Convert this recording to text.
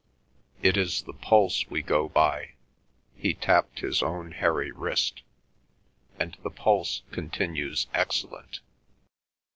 It is the pulse we go by" (he tapped his own hairy wrist), "and the pulse continues excellent."